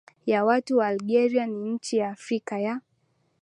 ya watu wa Algeria ni nchi ya Afrika ya